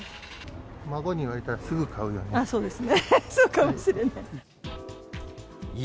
孫に言われたらすぐ買うよね。